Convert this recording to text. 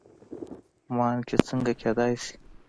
عمان کې څنګه کېدلی شي.